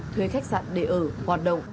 thuê khách sạn để ở hoạt động